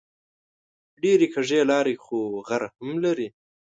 ډېرې کږې لارې خو غر هم لري